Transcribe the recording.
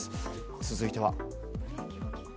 続いては。